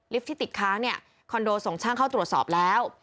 ลิฟท์ที่ติดค้างคอนโดส่งช่างเข้าตรวจสอบแล้ว